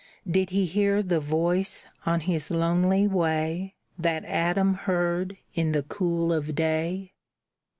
Did he hear the Voice on his lonely way That Adam heard in the cool of day?